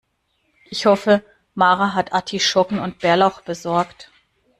Ich hoffe, Mara hat Artischocken und Bärlauch besorgt.